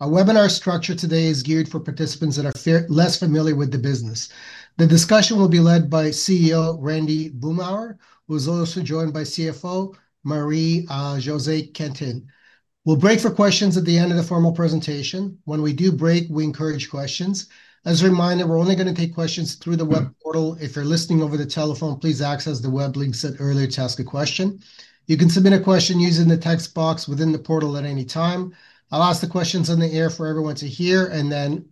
Our webinar structure today is geared for participants that are less familiar with the business. The discussion will be led by CEO Randy Boomhour, who is also joined by CFO Marie-Josée Cantin. We'll break for questions at the end of the formal presentation. When we do break, we encourage questions. As a reminder, we're only going to take questions through the web portal. If you're listening over the telephone, please access the web link set earlier to ask a question. You can submit a question using the text box within the portal at any time. I'll ask the questions on the air for everyone to hear, and then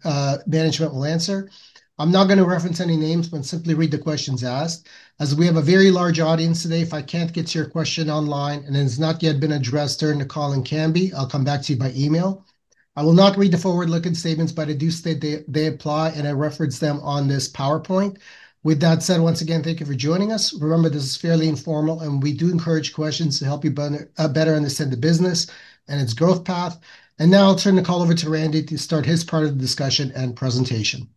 management will answer. I'm not going to reference any names, but simply read the questions asked. As we have a very large audience today, if I can't get to your question online and it's not yet been addressed during the call in CEMATRIX, I'll come back to you by email. I will not read the forward-looking statements, but I do state they apply, and I reference them on this PowerPoint. With that said, once again, thank you for joining us. Remember, this is fairly informal, and we do encourage questions to help you better understand the business and its growth path. Now I'll turn the call over to Randy to start his part of the discussion and presentation.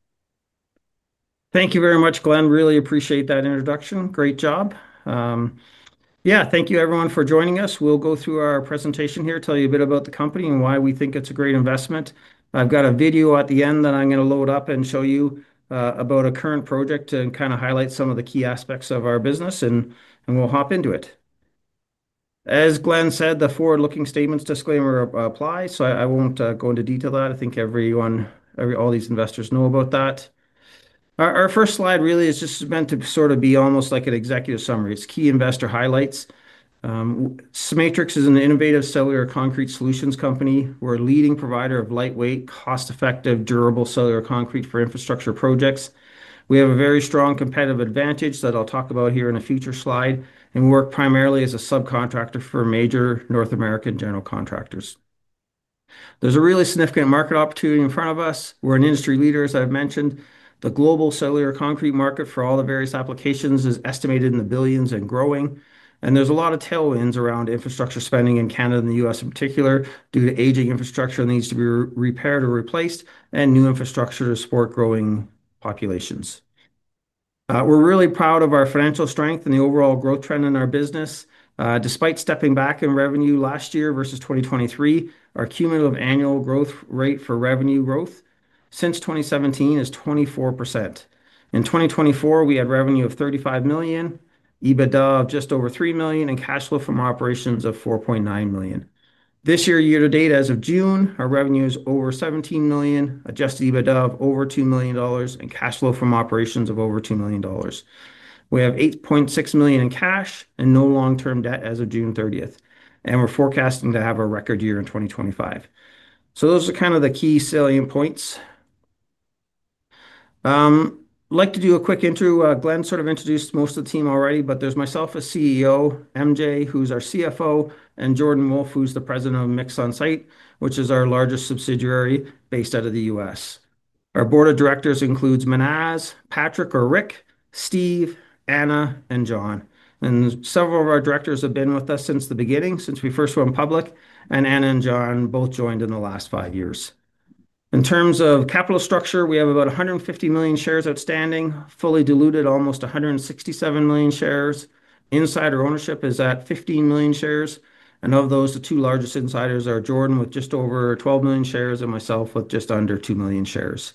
Thank you very much, Glenn. Really appreciate that introduction. Great job. Thank you, everyone, for joining us. We'll go through our presentation here, tell you a bit about the company and why we think it's a great investment. I've got a video at the end that I'm going to load up and show you about a current project to kind of highlight some of the key aspects of our business, and we'll hop into it. As Glenn said, the forward-looking statements disclaimer applies, so I won't go into detail on that. I think everyone, all these investors, know about that. Our first slide really is just meant to sort of be almost like an executive summary. It's key investor highlights. CEMATRIX is an innovative cellular concrete solutions company. We're a leading provider of lightweight, cost-effective, durable cellular concrete for infrastructure projects. We have a very strong competitive advantage that I'll talk about here in a future slide, and we work primarily as a specialty subcontractor for major North American general contractors. There's a really significant market opportunity in front of us. We're an industry leader, as I've mentioned. The global cellular concrete market for all the various applications is estimated in the billions and growing. There are a lot of tailwinds around infrastructure spending in Canada and the U.S. in particular due to aging infrastructure that needs to be repaired or replaced and new infrastructure to support growing populations. We're really proud of our financial strength and the overall growth trend in our business. Despite stepping back in revenue last year versus 2023, our compound annual revenue growth rate for revenue growth since 2017 is 24%. In 2024, we had revenue of $35 million, EBITDA of just over $3 million, and cash flow from operations of $4.9 million. This year, year to date, as of June, our revenue is over $17 million, adjusted EBITDA of over $2 million, and cash flow from operations of over $2 million. We have $8.6 million in cash and no long-term debt as of June 30th. We're forecasting to have a record year in 2025. Those are kind of the key salient points. I'd like to do a quick intro. Glenn sort of introduced most of the team already, but there's myself, CEO, MJ, who's our CFO, and Jordan Wolfe, who's the President of MixOnSite USA, which is our largest subsidiary based out of the U.S. Our board of directors includes Menaz, Patrick or Rick, Steve, Anna, and John. Several of our directors have been with us since the beginning, since we first went public. Anna and John both joined in the last five years. In terms of capital structure, we have about 150 million shares outstanding, fully diluted, almost 167 million shares. Insider ownership is at 15 million shares, and of those, the two largest insiders are Jordan with just over 12 million shares and myself with just under 2 million shares.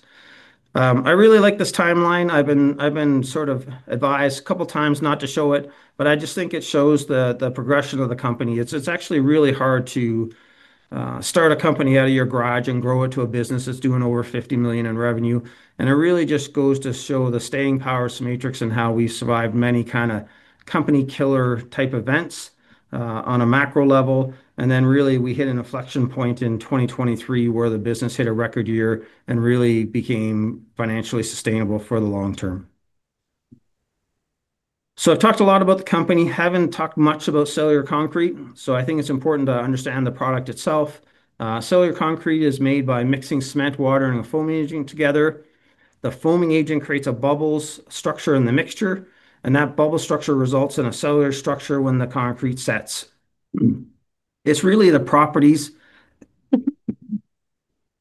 I really like this timeline. I've been sort of advised a couple of times not to show it, but I just think it shows the progression of the company. It's actually really hard to start a company out of your garage and grow it to a business that's doing over $50 million in revenue. It really just goes to show the staying power of CEMATRIX and how we survived many kind of company killer type events on a macro level. We hit an inflection point in 2023 where the business hit a record year and really became financially sustainable for the long term. I've talked a lot about the company, haven't talked much about cellular concrete. I think it's important to understand the product itself. Cellular concrete is made by mixing cement, water, and a foaming agent together. The foaming agent creates a bubble structure in the mixture, and that bubble structure results in a cellular structure when the concrete sets. It's really the properties,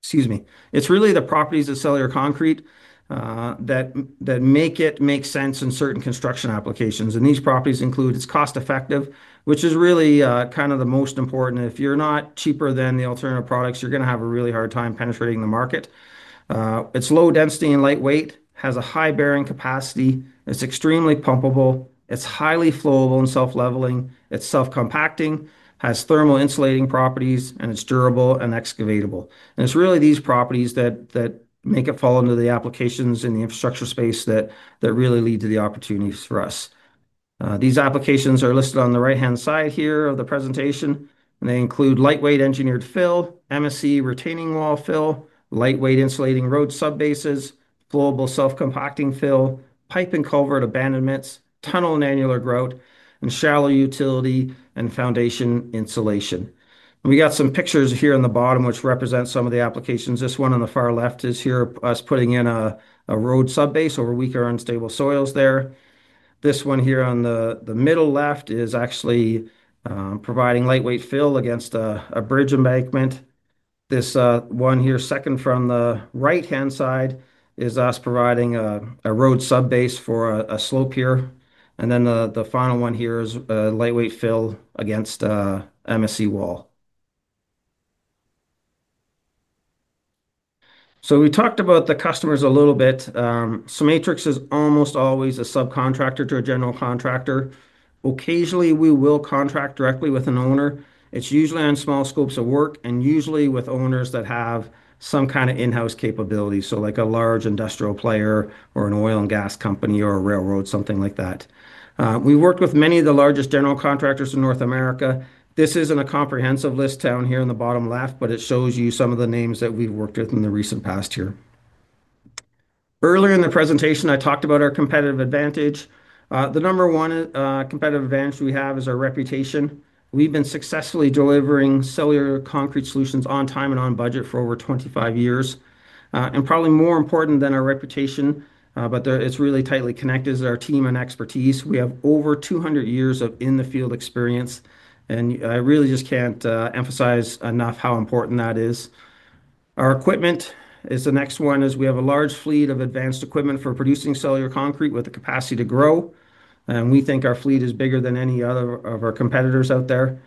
excuse me, it's really the properties of cellular concrete that make it make sense in certain construction applications. These properties include it's cost-effective, which is really kind of the most important. If you're not cheaper than the alternative products, you're going to have a really hard time penetrating the market. It's low density and lightweight, has a high bearing capacity, it's extremely pumpable, it's highly flowable and self-leveling, it's self-compacting, has thermal insulating properties, and it's durable and excavatable. It's really these properties that make it fall into the applications in the infrastructure space that really lead to the opportunities for us. These applications are listed on the right-hand side here of the presentation, and they include lightweight engineered fill, MSC retaining wall fill, lightweight insulating road subbases, flowable self-compacting fill, pipe and culvert abandonments, tunnel and annular grout, and shallow utility and foundation insulation. We got some pictures here on the bottom, which represent some of the applications. This one on the far left is here, us putting in a road subbase over weaker or unstable soils there. This one here on the middle left is actually providing lightweight fill against a bridge embankment. This one here, second from the right-hand side, is us providing a road subbase for a slope here. The final one here is lightweight fill against an MSC wall. We talked about the customers a little bit. CEMATRIX is almost always a subcontractor to a general contractor. Occasionally, we will contract directly with an owner. It's usually on small scopes of work and usually with owners that have some kind of in-house capability, like a large industrial player or an oil and gas company or a railroad, something like that. We worked with many of the largest general contractors in North America. This isn't a comprehensive list down here in the bottom left, but it shows you some of the names that we've worked with in the recent past here. Earlier in the presentation, I talked about our competitive advantage. The number one competitive advantage we have is our reputation. We've been successfully delivering cellular concrete solutions on time and on budget for over 25 years. Probably more important than our reputation, but it's really tightly connected to our team and expertise. We have over 200 years of in-the-field experience, and I really just can't emphasize enough how important that is. Our equipment is the next one, as we have a large fleet of advanced equipment for producing cellular concrete with the capacity to grow. We think our fleet is bigger than any other of our competitors out there.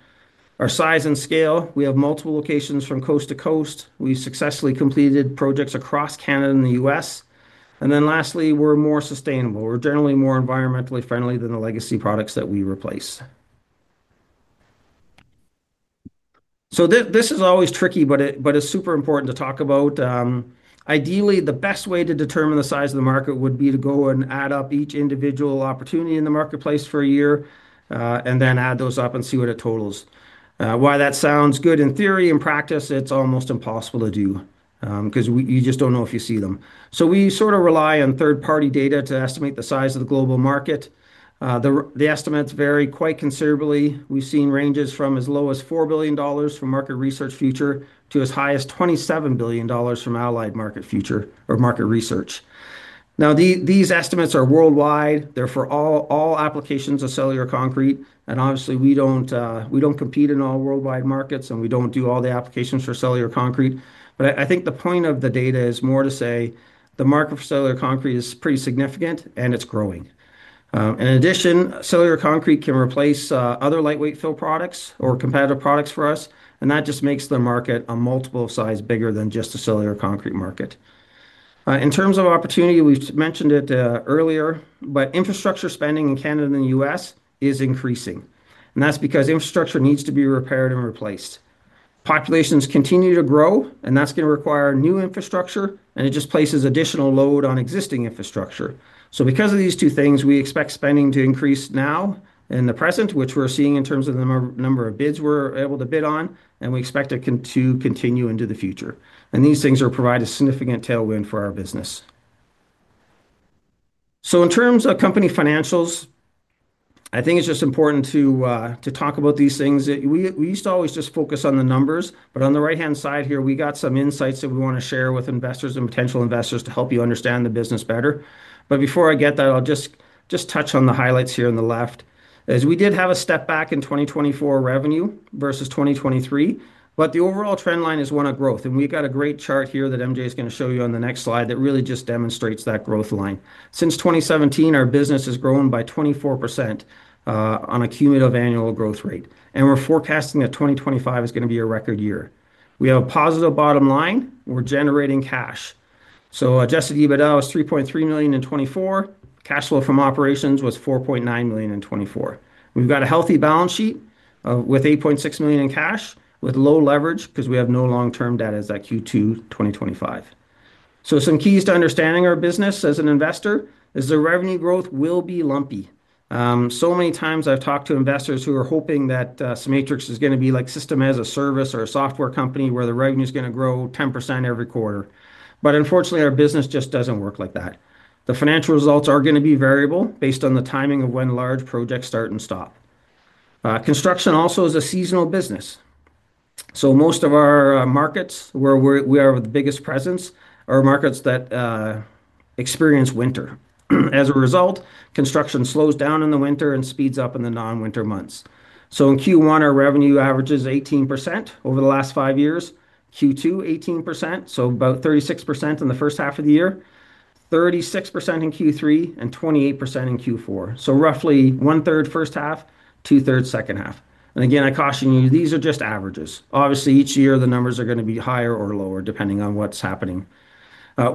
Our size and scale, we have multiple locations from coast to coast. We successfully completed projects across Canada and the U.S. Lastly, we're more sustainable. We're generally more environmentally friendly than the legacy products that we replace. This is always tricky, but it's super important to talk about. Ideally, the best way to determine the size of the market would be to go and add up each individual opportunity in the marketplace for a year and then add those up and see what it totals. While that sounds good in theory, in practice, it's almost impossible to do because you just don't know if you see them. We sort of rely on third-party data to estimate the size of the global market. The estimates vary quite considerably. We've seen ranges from as low as $4 billion from Market Research Future to as high as $27 billion from Allied Market Research. Now, these estimates are worldwide. They're for all applications of cellular concrete. Obviously, we don't compete in all worldwide markets, and we don't do all the applications for cellular concrete. I think the point of the data is more to say the market for cellular concrete is pretty significant, and it's growing. In addition, cellular concrete can replace other lightweight fill products or competitive products for us, and that just makes the market a multiple of size bigger than just the cellular concrete market. In terms of opportunity, we mentioned it earlier, infrastructure spending in Canada and the U.S. is increasing. That's because infrastructure needs to be repaired and replaced. Populations continue to grow, and that's going to require new infrastructure, and it just places additional load on existing infrastructure. Because of these two things, we expect spending to increase now in the present, which we're seeing in terms of the number of bids we're able to bid on, and we expect it to continue into the future. These things provide a significant tailwind for our business. In terms of company financials, I think it's just important to talk about these things. We used to always just focus on the numbers, but on the right-hand side here, we got some insights that we want to share with investors and potential investors to help you understand the business better. Before I get to that, I'll just touch on the highlights here on the left. We did have a step back in 2024 revenue versus 2023, but the overall trend line is one of growth. We've got a great chart here that MJ is going to show you on the next slide that really just demonstrates that growth line. Since 2017, our business has grown by 24% on a compound annual revenue growth rate. We're forecasting that 2025 is going to be a record year. We have a positive bottom line. We're generating cash. Adjusted EBITDA was $3.3 million in 2024. Cash flow from operations was $4.9 million in 2024. We've got a healthy balance sheet with $8.6 million in cash with low leverage because we have no long-term debt as at Q2 2025. Some keys to understanding our business as an investor is the revenue growth will be lumpy. So many times I've talked to investors who are hoping that CEMATRIX is going to be like system as a service or a software company where the revenue is going to grow 10% every quarter. Unfortunately, our business just doesn't work like that. The financial results are going to be variable based on the timing of when large projects start and stop. Construction also is a seasonal business. Most of our markets where we are with the biggest presence are markets that experience winter. As a result, construction slows down in the winter and speeds up in the non-winter months. In Q1, our revenue averages 18% over the last five years. Q2, 18%. About 36% in the first half of the year, 36% in Q3, and 28% in Q4. Roughly one-third first half, two-thirds second half. Again, I caution you, these are just averages. Obviously, each year the numbers are going to be higher or lower depending on what's happening.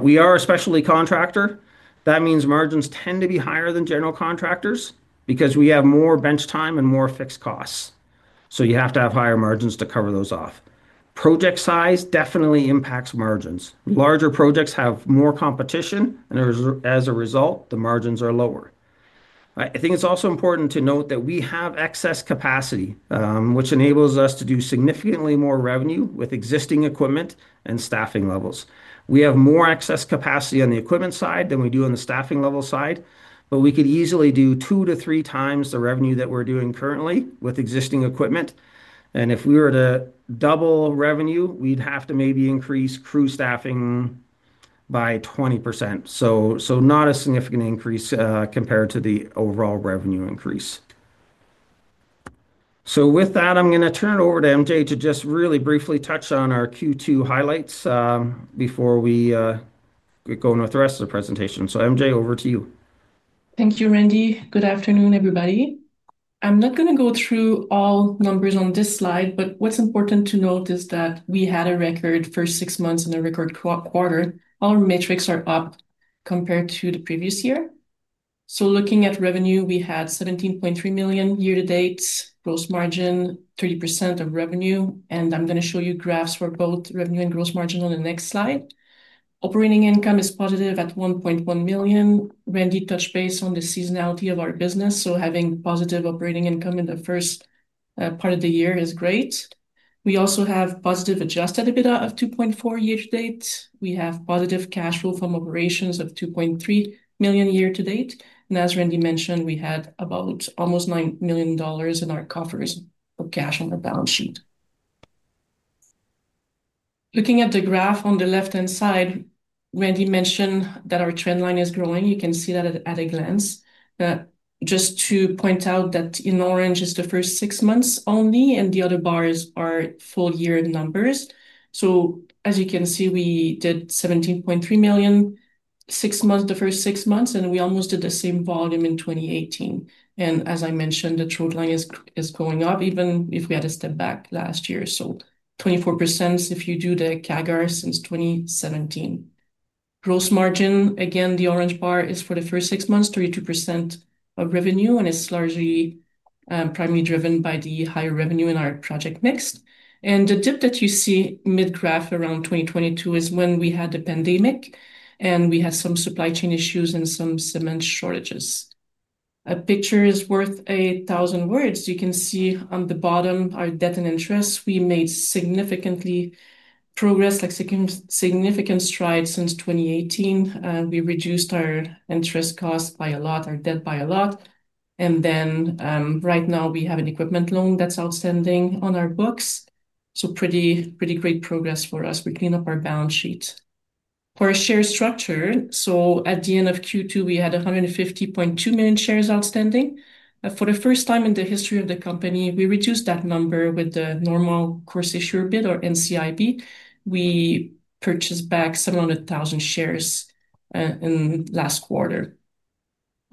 We are a specialty subcontractor. That means margins tend to be higher than general contractors because we have more bench time and more fixed costs. You have to have higher margins to cover those off. Project size definitely impacts margins. Larger projects have more competition, and as a result, the margins are lower. I think it's also important to note that we have excess capacity, which enables us to do significantly more revenue with existing equipment and staffing levels. We have more excess capacity on the equipment side than we do on the staffing level side, but we could easily do two to three times the revenue that we're doing currently with existing equipment. If we were to double revenue, we'd have to maybe increase crew staffing by 20%. Not a significant increase compared to the overall revenue increase. With that, I'm going to turn it over to MJ to just really briefly touch on our Q2 highlights before we go into the rest of the presentation. MJ, over to you. Thank you, Randy. Good afternoon, everybody. I'm not going to go through all numbers on this slide, but what's important to note is that we had a record first six months and a record quarter. Our metrics are up compared to the previous year. Looking at revenue, we had $17.3 million year to date, gross margin 30% of revenue. I'm going to show you graphs for both revenue and gross margin on the next slide. Operating income is positive at $1.1 million. Randy touched base on the seasonality of our business. Having positive operating income in the first part of the year is great. We also have positive adjusted EBITDA of $2.4 million year to date. We have positive cash flow from operations of $2.3 million year to date. As Randy mentioned, we had about almost $9 million in our coffers of cash on the balance sheet. Looking at the graph on the left-hand side, Randy mentioned that our trend line is growing. You can see that at a glance. Just to point out that in orange is the first six months only, and the other bars are full-year numbers. You can see we did $17.3 million six months, the first six months, and we almost did the same volume in 2018. As I mentioned, the trend line is going up even if we had a step back last year. 24% if you do the CAGR since 2017. Gross margin, again, the orange bar is for the first six months, 32% of revenue, and it's largely primarily driven by the higher revenue in our project mix. The dip that you see mid-graph around 2022 is when we had the pandemic, and we had some supply chain issues and some cement shortages. A picture is worth a thousand words. You can see on the bottom our debt and interest. We made significant progress, like significant strides since 2018. We reduced our interest costs by a lot, our debt by a lot. Right now we have an equipment loan that's outstanding on our books. Pretty, pretty great progress for us. We clean up our balance sheet. For a share structure, at the end of Q2, we had 150.2 million shares outstanding. For the first time in the history of the company, we reduced that number with the normal course issuer bid, or NCIB. We purchased back 700,000 shares in the last quarter.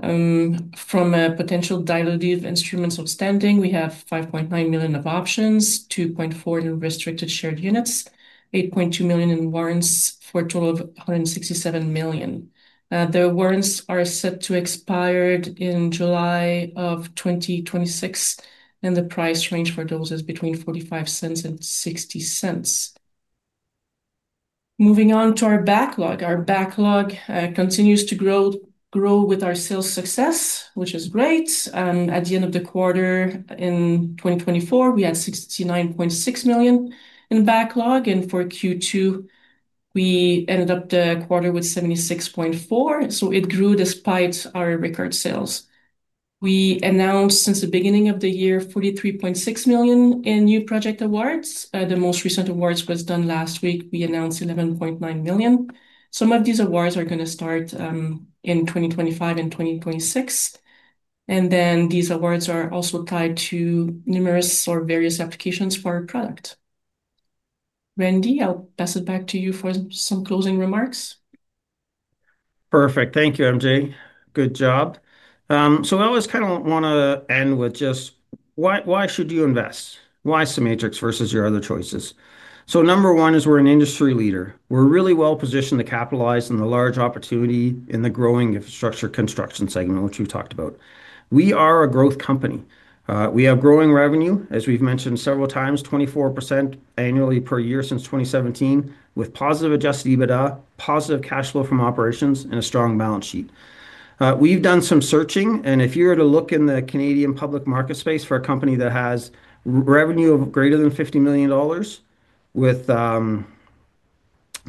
From a potential dilutive instruments outstanding, we have 5.9 million of options, 2.4 million in restricted share units, 8.2 million in warrants for a total of 167 million. The warrants are set to expire in July of 2026, and the price range for those is between $0.45 and $0.60. Moving on to our backlog, our backlog continues to grow with our sales success, which is great. At the end of the quarter in 2024, we had $69.6 million in backlog, and for Q2, we ended up the quarter with $76.4 million. It grew despite our record sales. We announced since the beginning of the year $43.6 million in new project awards. The most recent awards were done last week. We announced $11.9 million. Some of these awards are going to start in 2025 and 2026. These awards are also tied to numerous or various applications for our product. Randy, I'll pass it back to you for some closing remarks. Perfect. Thank you, MJ. Good job. I always kind of want to end with just why should you invest? Why CEMATRIX versus your other choices? Number one is we're an industry leader. We're really well positioned to capitalize on the large opportunity in the growing infrastructure construction segment, which we've talked about. We are a growth company. We have growing revenue, as we've mentioned several times, 24% annually per year since 2017, with positive adjusted EBITDA, positive cash flow from operations, and a strong balance sheet. We've done some searching, and if you were to look in the Canadian public market space for a company that has revenue of greater than $50 million with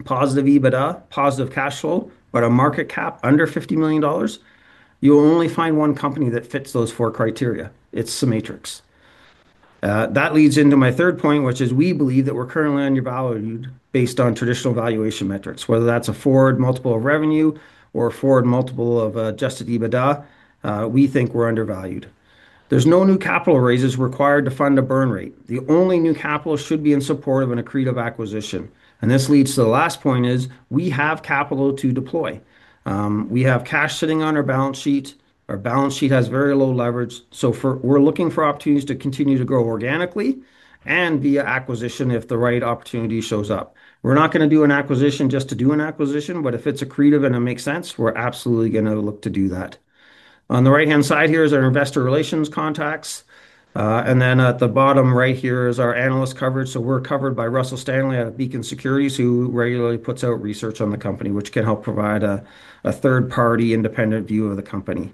positive EBITDA, positive cash flow, but a market cap under $50 million, you'll only find one company that fits those four criteria. It's CEMATRIX. That leads into my third point, which is we believe that we're currently undervalued based on traditional valuation metrics. Whether that's a forward multiple of revenue or a forward multiple of adjusted EBITDA, we think we're undervalued. There's no new capital raises required to fund a burn rate. The only new capital should be in support of an accretive acquisition. This leads to the last point: we have capital to deploy. We have cash sitting on our balance sheet. Our balance sheet has very low leverage. We're looking for opportunities to continue to grow organically and via acquisition if the right opportunity shows up. We're not going to do an acquisition just to do an acquisition, but if it's accretive and it makes sense, we're absolutely going to look to do that. On the right-hand side here is our investor relations contacts. At the bottom right here is our analyst coverage. We're covered by Russell Stanley at Beacon Securities, who regularly puts out research on the company, which can help provide a third-party independent view of the company.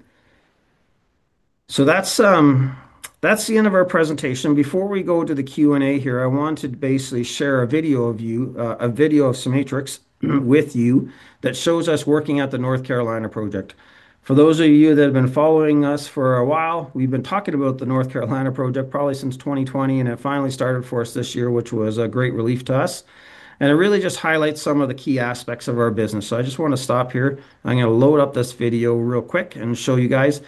That's the end of our presentation. Before we go to the Q&A here, I want to basically share a video of you, a video of CEMATRIX with you that shows us working at the North Carolina project. For those of you that have been following us for a while, we've been talking about the North Carolina project probably since 2020, and it finally started for us this year, which was a great relief to us. It really just highlights some of the key aspects of our business. I just want to stop here. I'm going to load up this video real quick and show you guys.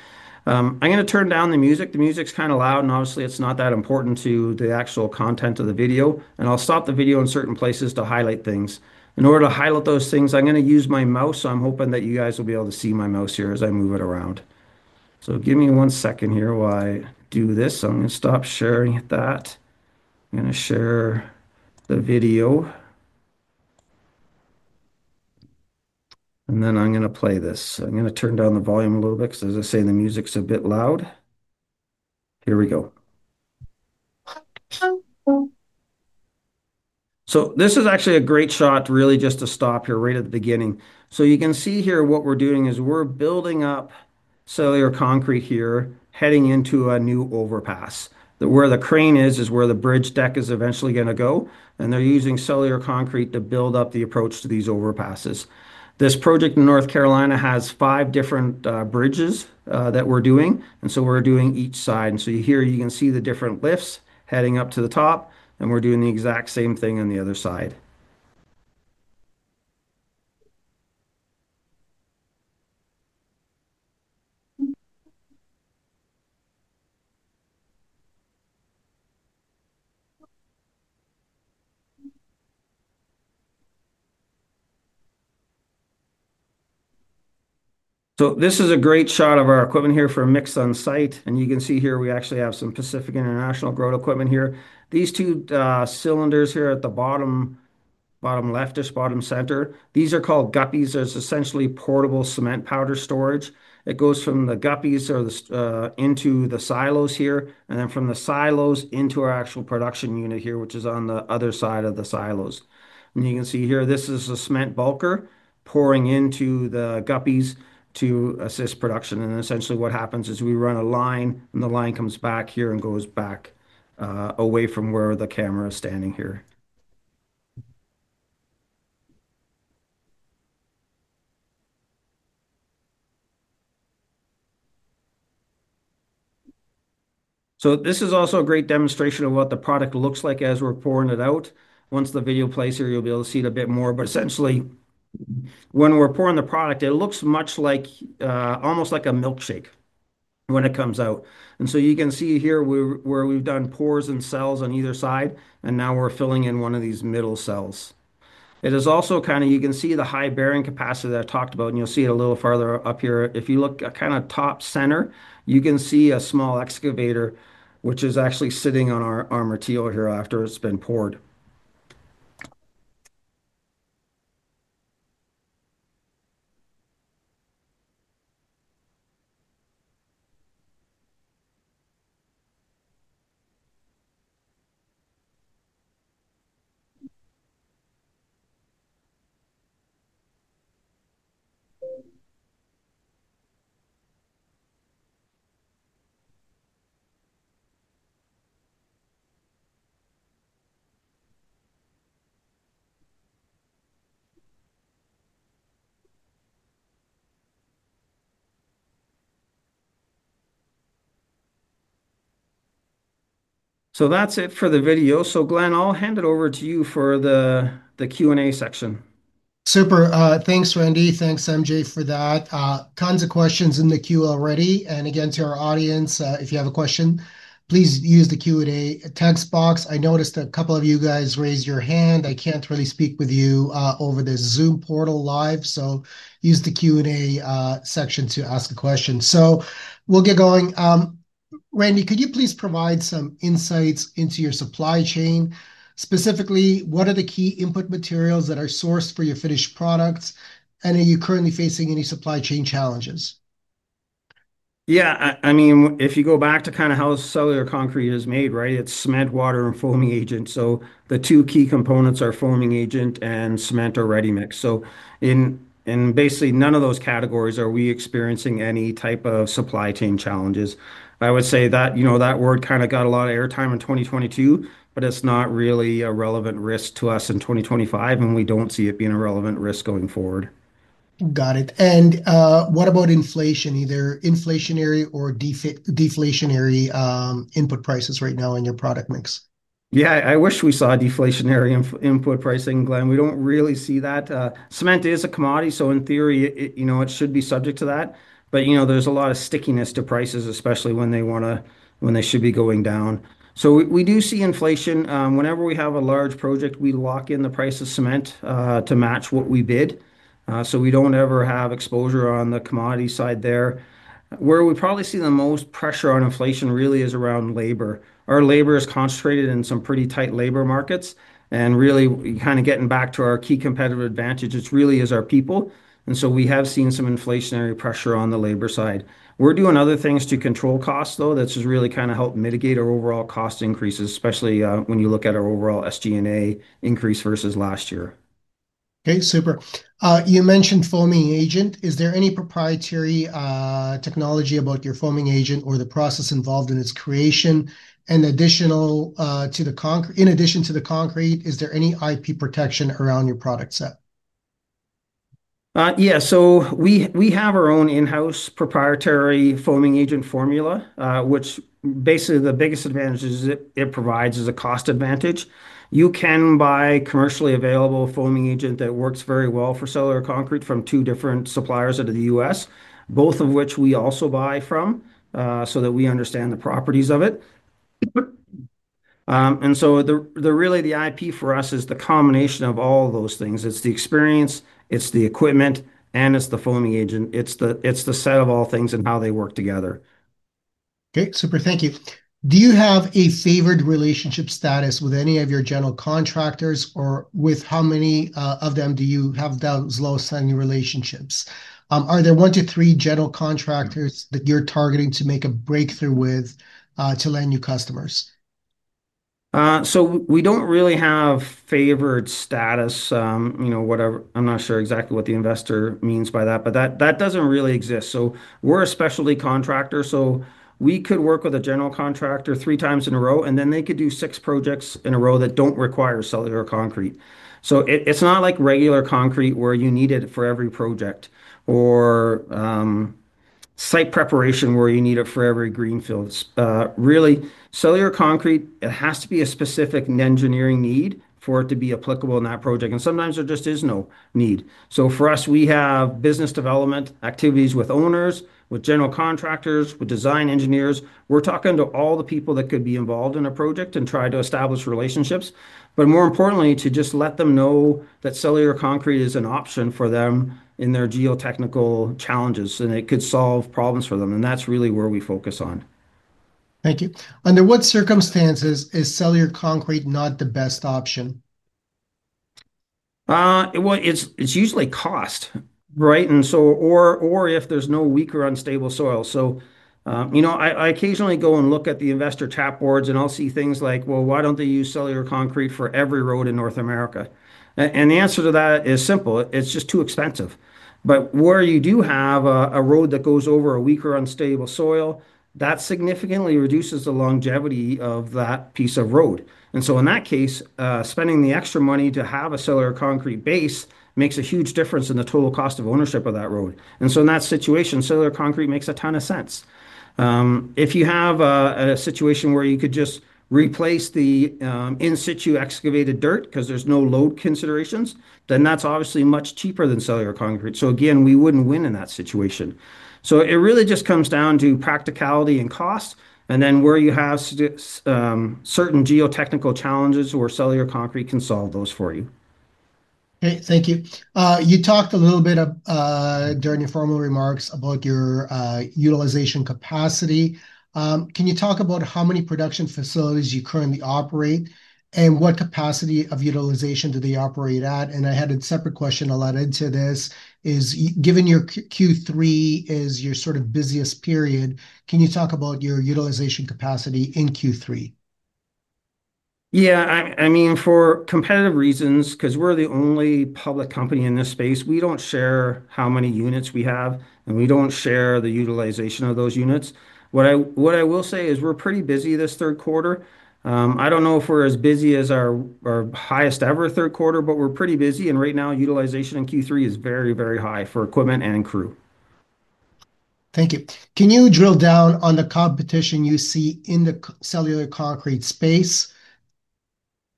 I'm going to turn down the music. The music's kind of loud, and obviously it's not that important to the actual content of the video. I'll stop the video in certain places to highlight things. In order to highlight those things, I'm going to use my mouse. I'm hoping that you guys will be able to see my mouse here as I move it around. Give me one second here while I do this. I'm going to stop sharing that. I'm going to share the video, and then I'm going to play this. I'm going to turn down the volume a little bit because, as I say, the music's a bit loud. Here we go. This is actually a great shot really just to stop here right at the beginning. You can see here what we're doing is we're building up cellular concrete here heading into a new overpass. Where the crane is is where the bridge deck is eventually going to go. They're using cellular concrete to build up the approach to these overpasses. This project in North Carolina has five different bridges that we're doing. We're doing each side. Here you can see the different lifts heading up to the top. We're doing the exact same thing on the other side. This is a great shot of our equipment here for a mix on site. You can see here we actually have some Pacific International Growth equipment here. These two cylinders here at the bottom, bottom left, just bottom center, these are called guppies. They're essentially portable cement powder storage. It goes from the guppies into the silos here, and then from the silos into our actual production unit here, which is on the other side of the silos. You can see here this is a cement bulker pouring into the guppies to assist production. Essentially what happens is we run a line, and the line comes back here and goes back away from where the camera is standing here. This is also a great demonstration of what the product looks like as we're pouring it out. Once the video plays here, you'll be able to see it a bit more. Essentially, when we're pouring the product, it looks much like almost like a milkshake when it comes out. You can see here where we've done pours and cells on either side, and now we're filling in one of these middle cells. You can see the high bearing capacity that I talked about, and you'll see it a little farther up here. If you look kind of top center, you can see a small excavator, which is actually sitting on our armored teal here after it's been poured. That's it for the video. Glenn, I'll hand it over to you for the Q&A section. Super. Thanks, Randy. Thanks, MJ, for that. Tons of questions in the queue already. Again, to our audience, if you have a question, please use the Q&A task box. I noticed a couple of you guys raised your hand. I can't really speak with you over this Zoom portal live. Please use the Q&A section to ask a question. We'll get going. Randy, could you please provide some insights into your supply chain? Specifically, what are the key input materials that are sourced for your finished products? Are you currently facing any supply chain challenges? Yeah, I mean, if you go back to kind of how cellular concrete is made, right? It's cement, water, and foaming agent. The two key components are foaming agent and cement or ready mix. In basically none of those categories are we experiencing any type of supply chain challenges. I would say that, you know, that word kind of got a lot of airtime in 2022, but it's not really a relevant risk to us in 2025, and we don't see it being a relevant risk going forward. Got it. What about inflation, either inflationary or deflationary input prices right now in your product mix? Yeah, I wish we saw deflationary input pricing, Glenn. We don't really see that. Cement is a commodity. In theory, it should be subject to that, but there's a lot of stickiness to prices, especially when they should be going down. We do see inflation. Whenever we have a large project, we lock in the price of cement to match what we bid. We don't ever have exposure on the commodity side there. Where we probably see the most pressure on inflation really is around labor. Our labor is concentrated in some pretty tight labor markets. Really, getting back to our key competitive advantage, it really is our people. We have seen some inflationary pressure on the labor side. We're doing other things to control costs, though. That's really helped mitigate our overall cost increases, especially when you look at our overall SG&A increase versus last year. Okay, super. You mentioned foaming agent. Is there any proprietary technology about your foaming agent or the process involved in its creation? In addition to the concrete, is there any IP protection around your product set? Yeah, we have our own in-house proprietary foaming agent formula, which basically the biggest advantage it provides is a cost advantage. You can buy commercially available foaming agent that works very well for cellular concrete from two different suppliers out of the U.S., both of which we also buy from so that we understand the properties of it. The IP for us is the combination of all of those things. It's the experience, it's the equipment, and it's the foaming agent. It's the set of all things and how they work together. Okay, super. Thank you. Do you have a favored relationship status with any of your general contractors, or with how many of them do you have those low-selling relationships? Are there one to three general contractors that you're targeting to make a breakthrough with to land new customers? We don't really have favored status. I'm not sure exactly what the investor means by that, but that doesn't really exist. We're a specialty subcontractor. We could work with a general contractor three times in a row, and then they could do six projects in a row that don't require cellular concrete. It's not like regular concrete where you need it for every project or site preparation where you need it for every greenfield. Really, cellular concrete has to be a specific engineering need for it to be applicable in that project, and sometimes there just is no need. We have business development activities with owners, with general contractors, with design engineers. We're talking to all the people that could be involved in a project and try to establish relationships, but more importantly, to just let them know that cellular concrete is an option for them in their geotechnical challenges, and it could solve problems for them. That's really where we focus on. Thank you. Under what circumstances is cellular concrete not the best option? It is usually cost, right? Or if there's no weak or unstable soil. I occasionally go and look at the investor chat boards, and I'll see things like, why don't they use cellular concrete for every road in North America? The answer to that is simple. It's just too expensive. Where you do have a road that goes over a weak or unstable soil, that significantly reduces the longevity of that piece of road. In that case, spending the extra money to have a cellular concrete base makes a huge difference in the total cost of ownership of that road. In that situation, cellular concrete makes a ton of sense. If you have a situation where you could just replace the in-situ excavated dirt because there's no load considerations, then that's obviously much cheaper than cellular concrete. We wouldn't win in that situation. It really just comes down to practicality and cost, and then where you have certain geotechnical challenges where cellular concrete can solve those for you. Okay, thank you. You talked a little bit during your formal remarks about your utilization capacity. Can you talk about how many production facilities you currently operate and what capacity of utilization do they operate at? I had a separate question a lot into this is given your Q3 is your sort of busiest period, can you talk about your utilization capacity in Q3? Yeah, I mean, for competitive reasons, because we're the only public company in this space, we don't share how many units we have, and we don't share the utilization of those units. What I will say is we're pretty busy this third quarter. I don't know if we're as busy as our highest ever third quarter, but we're pretty busy. Right now, utilization in Q3 is very, very high for equipment and crew. Thank you. Can you drill down on the competition you see in the cellular concrete space?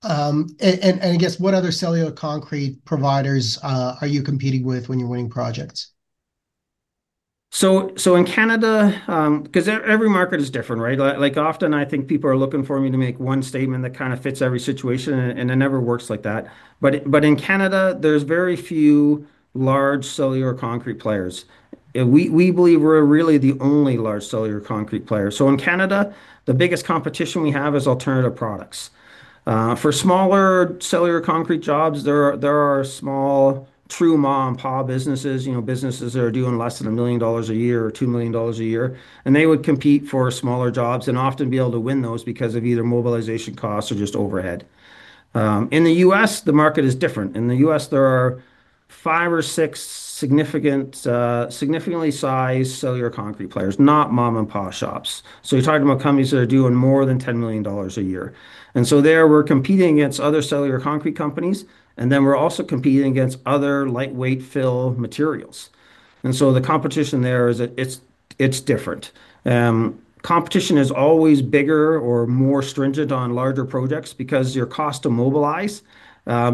I guess, what other cellular concrete providers are you competing with when you're winning projects? In Canada, because every market is different, right? Like often I think people are looking for me to make one statement that kind of fits every situation, and it never works like that. In Canada, there's very few large cellular concrete players. We believe we're really the only large cellular concrete player. In Canada, the biggest competition we have is alternative products. For smaller cellular concrete jobs, there are small true mom-and-pop businesses, you know, businesses that are doing less than $1 million a year or $2 million a year. They would compete for smaller jobs and often be able to win those because of either mobilization costs or just overhead. In the U.S., the market is different. In the U.S., there are five or six significantly sized cellular concrete players, not mom-and-pop shops. You're talking about companies that are doing more than $10 million a year. There we're competing against other cellular concrete companies, and we're also competing against other lightweight fill materials. The competition there is different. Competition is always bigger or more stringent on larger projects because your cost to mobilize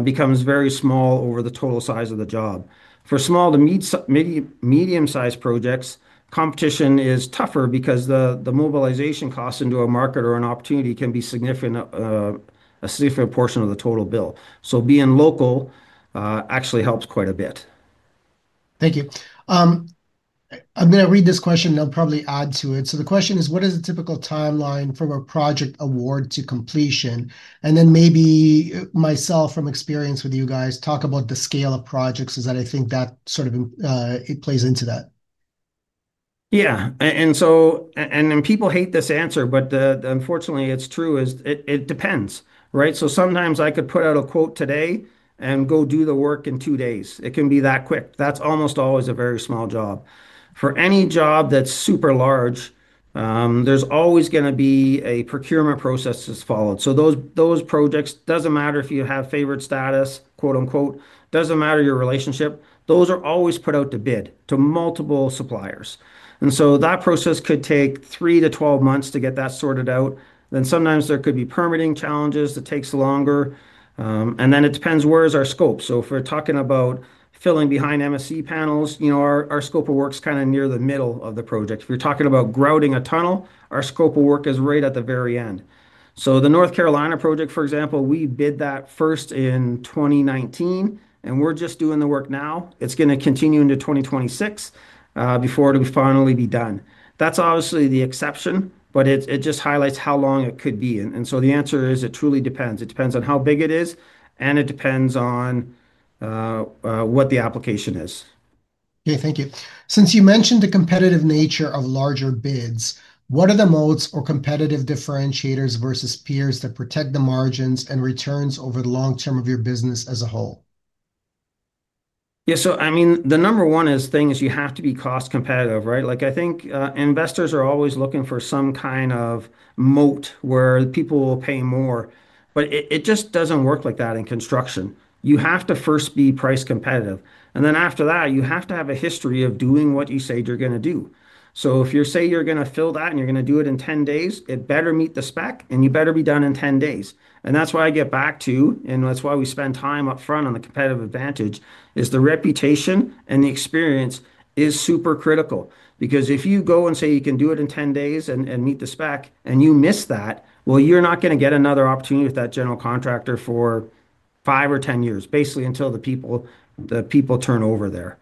becomes very small over the total size of the job. For small to medium-sized projects, competition is tougher because the mobilization costs into a market or an opportunity can be a significant portion of the total bill. Being local actually helps quite a bit. Thank you. I'm going to read this question, and I'll probably add to it. The question is, what is a typical timeline from a project award to completion? Maybe myself, from experience with you guys, talk about the scale of projects, as I think that sort of plays into that. Yeah, and so, people hate this answer, but unfortunately, it's true, it depends, right? Sometimes I could put out a quote today and go do the work in two days. It can be that quick. That's almost always a very small job. For any job that's super large, there's always going to be a procurement process that's followed. Those projects, it doesn't matter if you have favored status, quote unquote, it doesn't matter your relationship. Those are always put out to bid to multiple suppliers. That process could take three to 12 months to get that sorted out. Sometimes there could be permitting challenges that take longer. It depends where is our scope. If we're talking about filling behind MSC panels, our scope of work is kind of near the middle of the project. If you're talking about grouting a tunnel, our scope of work is right at the very end. The North Carolina project, for example, we bid that first in 2019, and we're just doing the work now. It's going to continue into 2026 before it'll finally be done. That's obviously the exception, but it just highlights how long it could be. The answer is it truly depends. It depends on how big it is, and it depends on what the application is. Okay, thank you. Since you mentioned the competitive nature of larger bids, what are the modes or competitive differentiators versus peers that protect the margins and returns over the long term of your business as a whole? Yeah, the number one thing is you have to be cost competitive, right? I think investors are always looking for some kind of moat where people will pay more, but it just doesn't work like that in construction. You have to first be price competitive. After that, you have to have a history of doing what you say you're going to do. If you say you're going to fill that and you're going to do it in 10 days, it better meet the spec and you better be done in 10 days. That's why I get back to, and that's why we spend time up front on the competitive advantage, the reputation and the experience are super critical. If you go and say you can do it in 10 days and meet the spec and you miss that, you're not going to get another opportunity with that general contractor for five or 10 years, basically until the people turn over there.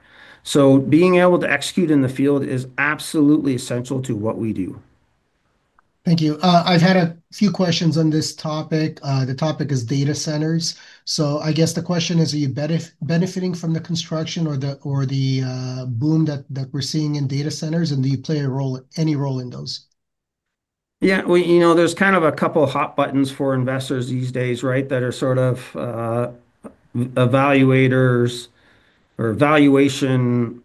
Being able to execute in the field is absolutely essential to what we do. Thank you. I've had a few questions on this topic. The topic is data centers. I guess the question is, are you benefiting from the construction or the boom that we're seeing in data centers? Do you play any role in those? Yeah, you know, there's kind of a couple of hot buttons for investors these days that are sort of evaluators or valuation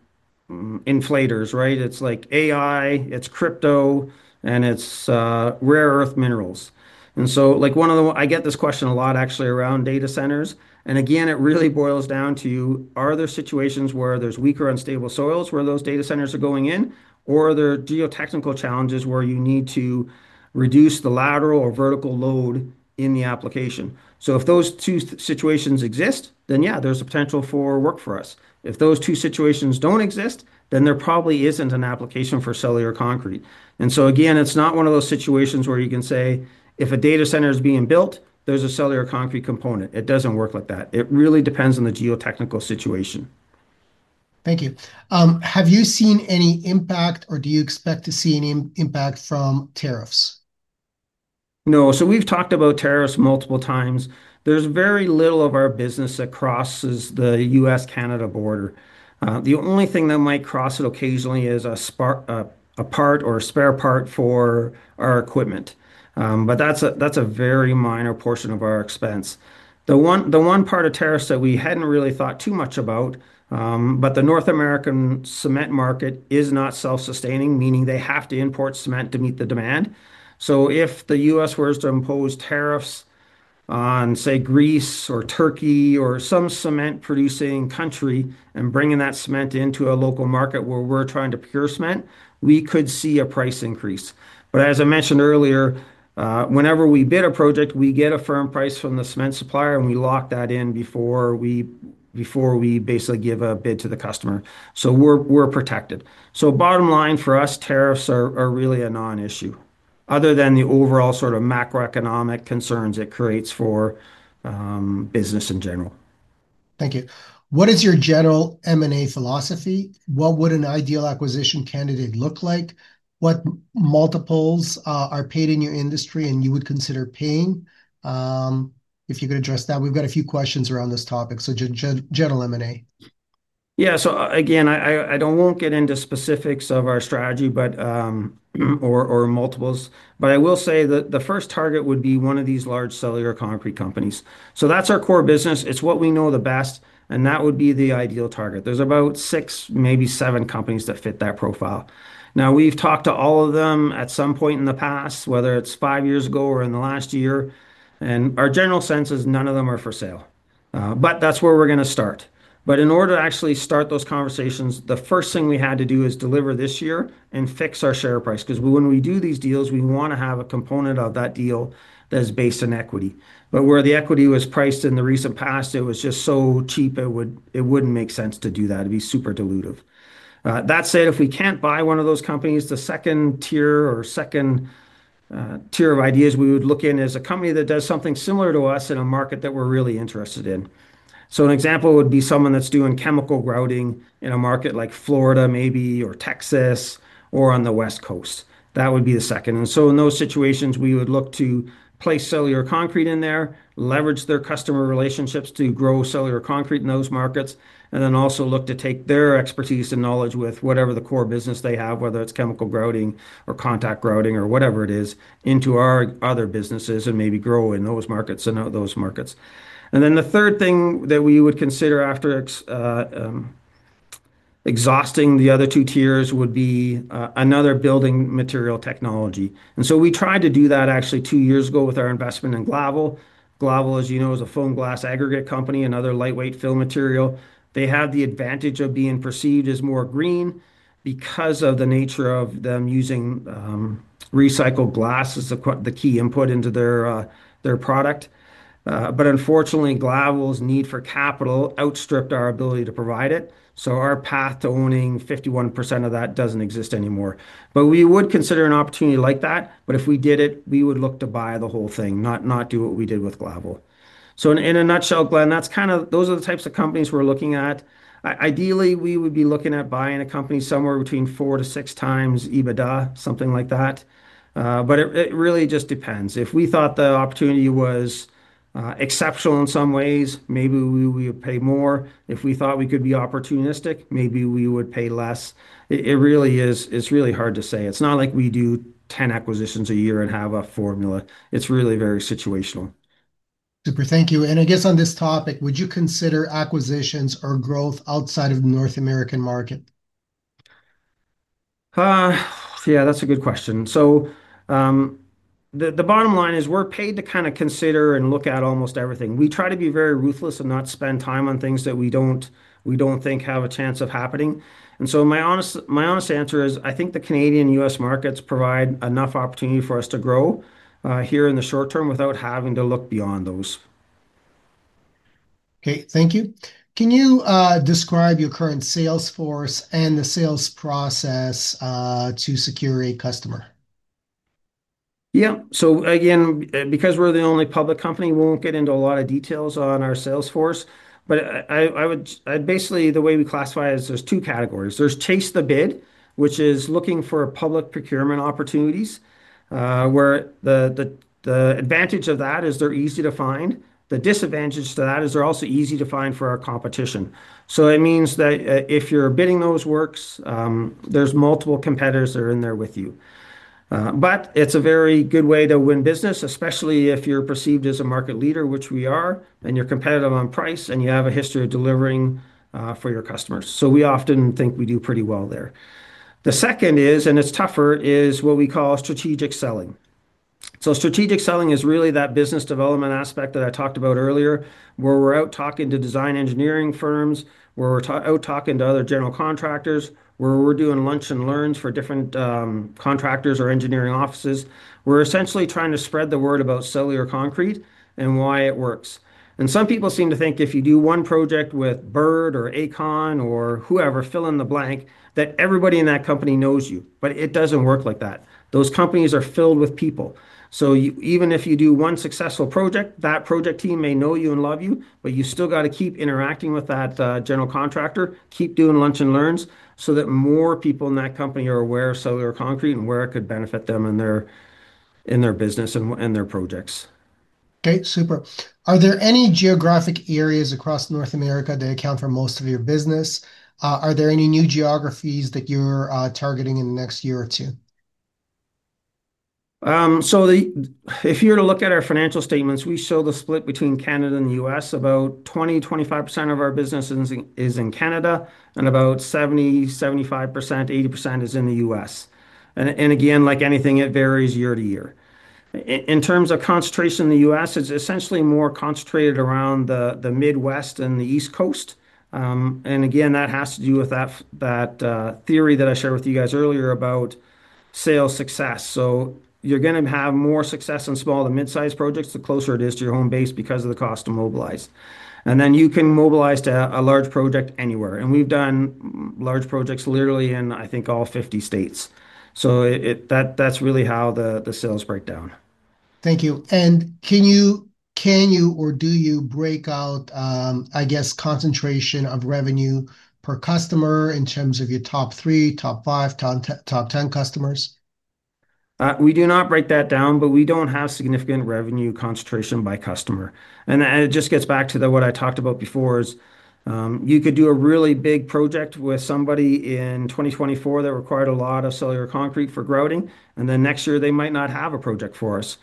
inflators, right? It's like AI, it's crypto, and it's rare earth minerals. One of the ones, I get this question a lot actually around data centers. It really boils down to, are there situations where there's weak or unstable soils where those data centers are going in, or are there geotechnical challenges where you need to reduce the lateral or vertical load in the application? If those two situations exist, then yeah, there's a potential for work for us. If those two situations don't exist, then there probably isn't an application for cellular concrete. It's not one of those situations where you can say if a data center is being built, there's a cellular concrete component. It doesn't work like that. It really depends on the geotechnical situation. Thank you. Have you seen any impact, or do you expect to see any impact from tariff risks? No, we've talked about tariffs multiple times. There's very little of our business that crosses the U.S.-Canada border. The only thing that might cross it occasionally is a part or a spare part for our equipment, but that's a very minor portion of our expense. The one part of tariffs that we hadn't really thought too much about is that the North American cement market is not self-sustaining, meaning they have to import cement to meet the demand. If the U.S. were to impose tariffs on, say, Greece or Turkey or some cement-producing country, and bringing that cement into a local market where we're trying to procure cement, we could see a price increase. As I mentioned earlier, whenever we bid a project, we get a firm price from the cement supplier, and we lock that in before we basically give a bid to the customer. We're protected. Bottom line for us, tariffs are really a non-issue other than the overall sort of macroeconomic concerns it creates for business in general. Thank you. What is your general M&A philosophy? What would an ideal acquisition candidate look like? What multiples are paid in your industry and you would consider paying? If you could address that, we've got a few questions around this topic. General M&A. Yeah, so again, I don't want to get into specifics of our strategy or our multiples, but I will say that the first target would be one of these large cellular concrete companies. That's our core business. It's what we know the best, and that would be the ideal target. There's about six, maybe seven companies that fit that profile. We've talked to all of them at some point in the past, whether it's five years ago or in the last year, and our general sense is none of them are for sale. That's where we're going to start. In order to actually start those conversations, the first thing we had to do is deliver this year and fix our share price because when we do these deals, we want to have a component of that deal that is based in equity. Where the equity was priced in the recent past, it was just so cheap, it wouldn't make sense to do that. It'd be super dilutive. That said, if we can't buy one of those companies, the second tier of ideas we would look in is a company that does something similar to us in a market that we're really interested in. An example would be someone that's doing chemical grouting in a market like Florida, maybe, or Texas, or on the West Coast. That would be the second. In those situations, we would look to place cellular concrete in there, leverage their customer relationships to grow cellular concrete in those markets, and then also look to take their expertise and knowledge with whatever the core business they have, whether it's chemical grouting or contact grouting or whatever it is, into our other businesses and maybe grow in those markets and out those markets. The third thing that we would consider after exhausting the other two tiers would be another building material technology. We tried to do that actually two years ago with our investment in Glavel. Glavel, as you know, is a foam glass aggregate company, another lightweight fill material. They have the advantage of being perceived as more green because of the nature of them using recycled glass as the key input into their product. Unfortunately, Glavel's need for capital outstripped our ability to provide it. Our path to owning 51% of that doesn't exist anymore. We would consider an opportunity like that. If we did it, we would look to buy the whole thing, not do what we did with Glavel. In a nutshell, Glenn, those are the types of companies we're looking at. Ideally, we would be looking at buying a company somewhere between 4-6 times EBITDA, something like that. It really just depends. If we thought the opportunity was exceptional in some ways, maybe we would pay more. If we thought we could be opportunistic, maybe we would pay less. It really is, it's really hard to say. It's not like we do 10 acquisitions a year and have a formula. It is really very situational. Super. Thank you. I guess on this topic, would you consider acquisitions or growth outside of the North American market? Yeah, that's a good question. The bottom line is we're paid to kind of consider and look at almost everything. We try to be very ruthless and not spend time on things that we don't think have a chance of happening. My honest answer is I think the Canadian and U.S. markets provide enough opportunity for us to grow here in the short term without having to look beyond those. Okay. Thank you. Can you describe your current sales force and the sales process to secure a customer? Yeah. Again, because we're the only public company, we won't get into a lot of details on our sales force. I would basically, the way we classify it is there's two categories. There's chase the bid, which is looking for public procurement opportunities. The advantage of that is they're easy to find. The disadvantage to that is they're also easy to find for our competition. It means that if you're bidding those works, there's multiple competitors that are in there with you. It's a very good way to win business, especially if you're perceived as a market leader, which we are, and you're competitive on price, and you have a history of delivering for your customers. We often think we do pretty well there. The second is, and it's tougher, what we call strategic selling. Strategic selling is really that business development aspect that I talked about earlier, where we're out talking to design engineering firms, where we're out talking to other general contractors, where we're doing lunch and learns for different contractors or engineering offices. We're essentially trying to spread the word about cellular concrete and why it works. Some people seem to think if you do one project with Byrd or Akon or whoever, fill in the blank, that everybody in that company knows you. It doesn't work like that. Those companies are filled with people. Even if you do one successful project, that project team may know you and love you, but you still got to keep interacting with that general contractor, keep doing lunch and learns so that more people in that company are aware of cellular concrete and where it could benefit them in their business and their projects. Okay, super. Are there any geographic areas across North America that account for most of your business? Are there any new geographies that you're targeting in the next year or two? If you were to look at our financial statements, we show the split between Canada and the U.S. About 20%-25% of our business is in Canada, and about 70%-80% is in the U.S. Like anything, it varies year to year. In terms of concentration in the U.S., it's essentially more concentrated around the Midwest and the East Coast. That has to do with that theory that I shared with you guys earlier about sales success. You're going to have more success in small to mid-sized projects the closer it is to your home base because of the cost to mobilize. You can mobilize to a large project anywhere, and we've done large projects literally in, I think, all 50 states. That's really how the sales break down. Thank you. Can you, or do you break out, I guess, concentration of revenue per customer in terms of your top three, top five, top ten customers? We do not break that down, but we don't have significant revenue concentration by customer. It just gets back to what I talked about before, you could do a really big project with somebody in 2024 that required a lot of cellular concrete for grouting, and then next year they might not have a project for us.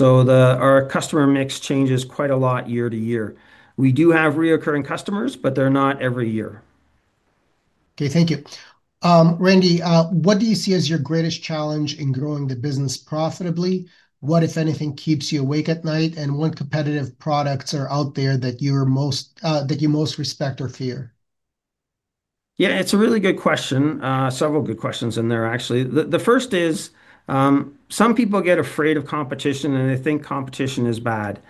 Our customer mix changes quite a lot year to year. We do have recurring customers, but they're not every year. Okay, thank you. Randy, what do you see as your greatest challenge in growing the business profitably? What, if anything, keeps you awake at night? What competitive products are out there that you most respect or fear? Yeah, it's a really good question. Several good questions in there, actually. The first is some people get afraid of competition and they think competition is bad.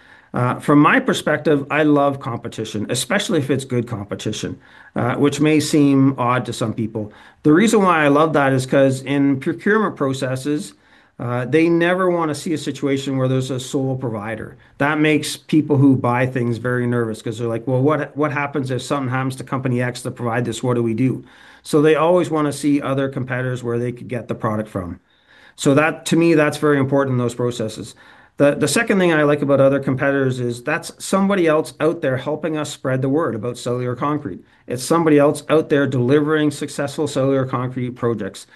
From my perspective, I love competition, especially if it's good competition, which may seem odd to some people. The reason why I love that is because in procurement processes, they never want to see a situation where there's a sole provider. That makes people who buy things very nervous because they're like, what happens if something happens to company X to provide this? What do we do? They always want to see other competitors where they could get the product from. That, to me, that's very important in those processes. The second thing I like about other competitors is that's somebody else out there helping us spread the word about cellular concrete. It's somebody else out there delivering successful cellular concrete projects.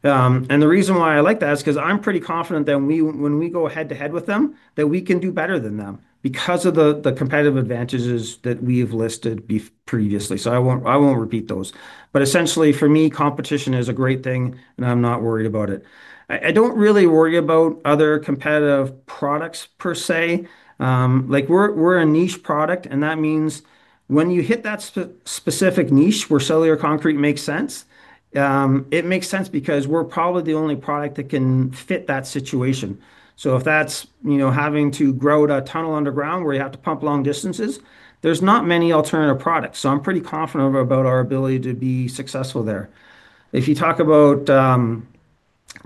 The reason why I like that is because I'm pretty confident that when we go head to head with them, we can do better than them because of the competitive advantages that we've listed previously. I won't repeat those. Essentially, for me, competition is a great thing and I'm not worried about it. I don't really worry about other competitive products per se. We're a niche product and that means when you hit that specific niche where cellular concrete makes sense, it makes sense because we're probably the only product that can fit that situation. If that's, you know, having to grout a tunnel underground where you have to pump long distances, there's not many alternative products. I'm pretty confident about our ability to be successful there. If you talk about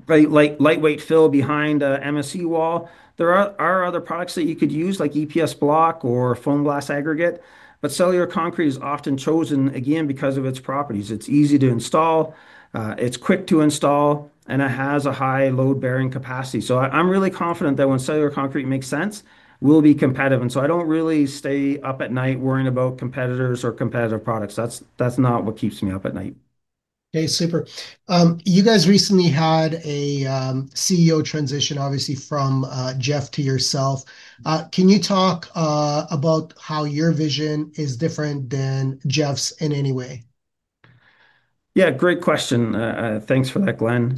lightweight fill behind an MSC wall, there are other products that you could use like EPS Block or foam glass aggregate, but cellular concrete is often chosen again because of its properties. It's easy to install, it's quick to install, and it has a high load-bearing capacity. I'm really confident that when cellular concrete makes sense, we'll be competitive. I don't really stay up at night worrying about competitors or competitive products. That's not what keeps me up at night. Okay, super. You guys recently had a CEO transition, obviously from Jeff Kendrick to yourself. Can you talk about how your vision is different than Jeff's in any way? Yeah, great question. Thanks for that, Glenn.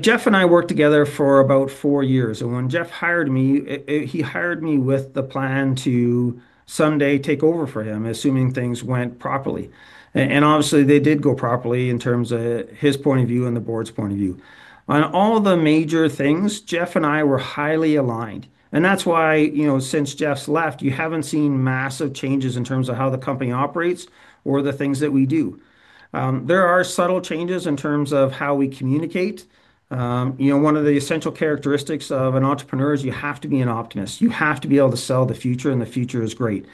Jeff and I worked together for about four years. When Jeff hired me, he hired me with the plan to someday take over for him, assuming things went properly. Obviously, they did go properly in terms of his point of view and the board's point of view. On all the major things, Jeff and I were highly aligned. That's why, since Jeff's left, you haven't seen massive changes in terms of how the company operates or the things that we do. There are subtle changes in terms of how we communicate. One of the essential characteristics of an entrepreneur is you have to be an optimist. You have to be able to sell the future, and the future is great.